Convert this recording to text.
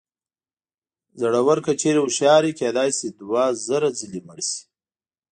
زړور که چېرې هوښیار وي کېدای شي دوه زره ځلې مړ شي.